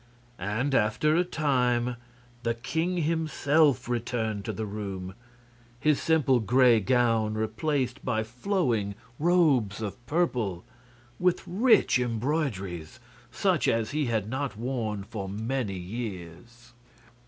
And after a time the king himself returned to the room, his simple gray gown replaced by flowing robes of purple, with rich embroideries, such as he had not worn for many years.